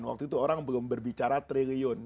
waktu itu orang belum berbicara triliun